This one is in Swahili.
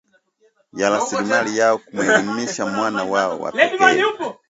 ya raslimali yao kumwelimisha mwana wao wa pekee